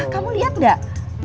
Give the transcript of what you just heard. kamu lihat gak